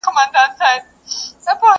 یادونه دي پر سترګو مېلمانه سي رخصتیږي!.